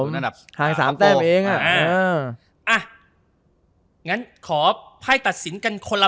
ครับผมห้างสามแต้มเองอ่ะอ่ะอ่ะงั้นขอให้ตัดสินกันคนละ